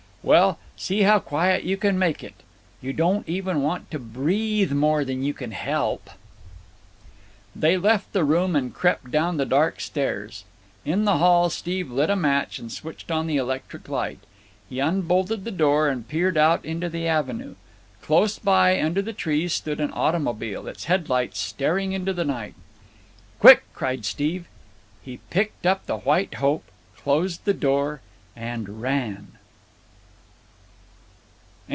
"Well, see how quiet you can make it. You don't want even to breathe more than you can help." They left the room and crept down the dark stairs. In the hall Steve lit a match and switched on the electric light. He unbolted the door and peered out into the avenue. Close by, under the trees, stood an automobile, its headlights staring into the night. "Quick!" cried Steve. He picked up the White Hope, closed the door, and ran.